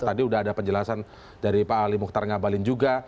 tadi sudah ada penjelasan dari pak ali mukhtar ngabalin juga